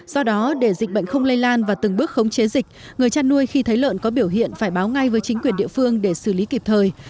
do đó để dịch bệnh không lây lan và từng bước khống chế dịch người chăn nuôi khi thấy lợn có biểu hiện phải báo ngay với chính quyền địa phương để xử lý kịp thời